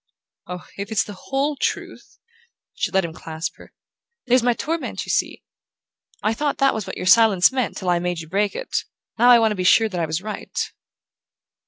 "Oh, if it's the WHOLE truth! " She let him clasp her. "There's my torment, you see. I thought that was what your silence meant till I made you break it. Now I want to be sure that I was right."